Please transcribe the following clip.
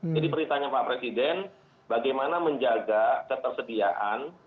jadi perintahnya pak presiden bagaimana menjaga ketersediaan